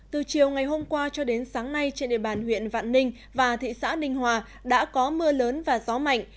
từ chiều ngày hôm qua cho đến sáng nay trên địa bàn huyện vạn ninh và thị xã ninh hòa đã có mưa lớn và gió mạnh